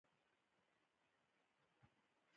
کوټه